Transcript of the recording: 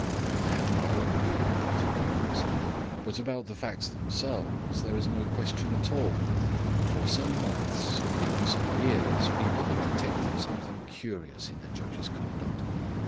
I had my own view of that occurrence; but about the facts themselves there is no question at all. For some months, indeed for some years, people had detected something curious in the judge's conduct.